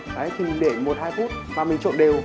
đấy thì mình để một hai phút và mình trộn đều